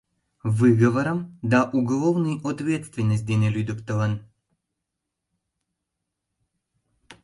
Выговорым да уголовный ответственность дене лӱдыктылын.